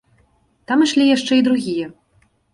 Там ішлі яшчэ й другія.